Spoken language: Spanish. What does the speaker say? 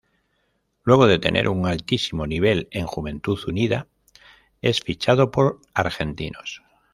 Luego de tener un altísimo nivel en Juventud Unida es fichado por Argentinos.